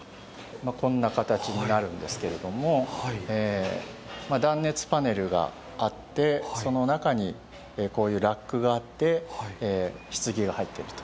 こんな形になるんですけれども、断熱パネルがあって、その中にこういうラックがあって、ひつぎが入ってると。